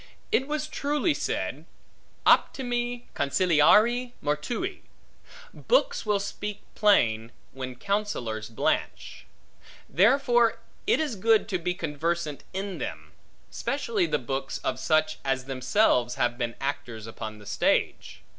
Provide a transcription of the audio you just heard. It was truly said, optimi consiliarii mortui: books will speak plain, when counsellors blanch. Therefore it is good to be conversant in them, specially the books of such as themselves have been actors upon the stage.